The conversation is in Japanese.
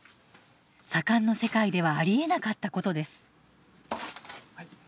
左官の世界ではありえなかったことです。